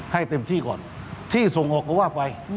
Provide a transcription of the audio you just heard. ให้เต็มที่ก่อนที่ส่งออกก็ว่าไป